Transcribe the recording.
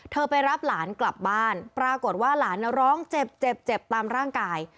ไปรับหลานกลับบ้านปรากฏว่าหลานร้องเจ็บเจ็บตามร่างกาย